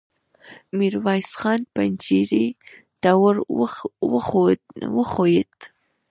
ميرويس خان پنجرې ته ور وښويېد.